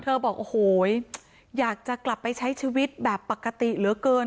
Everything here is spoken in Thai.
บอกโอ้โหอยากจะกลับไปใช้ชีวิตแบบปกติเหลือเกิน